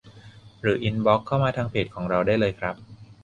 หรืออินบอกซ์เข้ามาทางเพจของเราได้เลยครับ